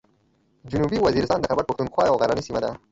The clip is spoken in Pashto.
جنوبي وزیرستان د خیبر پښتونخوا یوه غرنۍ سیمه ده.